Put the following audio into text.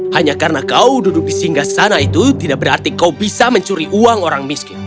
hanya karena kau duduk di singgah sana itu tidak berarti kau bisa mencuri uang orang miskin